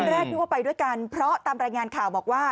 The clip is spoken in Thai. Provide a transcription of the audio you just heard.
แรกนึกว่าไปด้วยกันเพราะตามรายงานข่าวบอกว่า